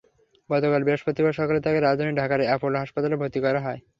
গতকাল বৃহস্পতিবার সকালে তাঁকে রাজধানী ঢাকার অ্যাপোলো হাসপাতালে ভর্তি করা হয়।